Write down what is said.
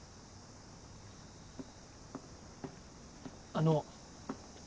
あの。